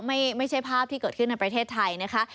ไม่ใช่ภาพที่เกิดขึ้นในประเทศไทยนะคะ